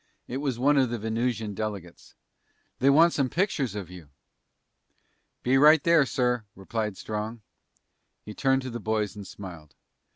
It was one of the Venusian delegates. "They want some pictures of you!" "Be right there, sir," replied Strong. He turned to the boys and smiled.